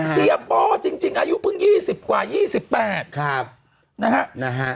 เสียปอจริงอายุเพิ่ง๒๐กว่า๒๘นะฮะ